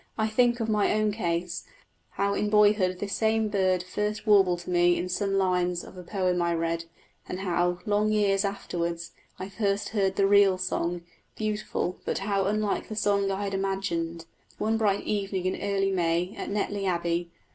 I think of my own case; how in boyhood this same bird first warbled to me in some lines of a poem I read; and how, long years afterwards, I first heard the real song beautiful, but how unlike the song I had imagined! one bright evening in early May, at Netley Abbey.